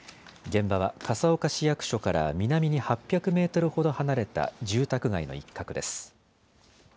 現場は笠岡市役所から南に８００メートルほど離れた住宅街の一角です。